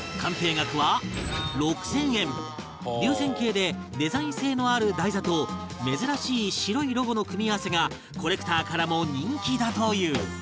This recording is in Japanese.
流線形でデザイン性のある台座と珍しい白いロゴの組み合わせがコレクターからも人気だという